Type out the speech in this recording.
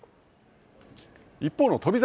一方の翔猿